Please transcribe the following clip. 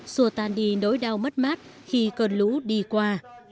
xua tan đi nỗi đau mất mát khi cơn lũ đi qua